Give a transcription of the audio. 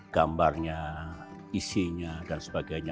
gambarnya isinya dan sebagainya